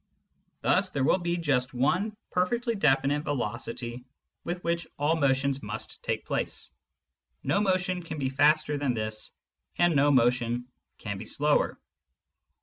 Thus there will be just one perfectly definite velocity with which all motions must take place : no motion can be faster than this, and no motion can be slower.